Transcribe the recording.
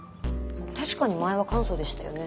確かに前は簡素でしたよね。